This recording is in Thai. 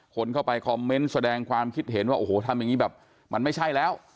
คนเข้าไปคอมเมนต์แสดงความคิดเห็นว่าโอ้โหทำอย่างนี้แบบมันไม่ใช่แล้ว